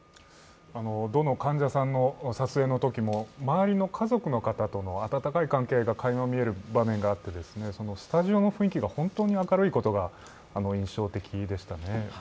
どの患者さんの撮影のときも周りの家族の方との温かい関係がかいま見える瞬間があってスタジオの雰囲気が本当に明るいことが印象的でしたね。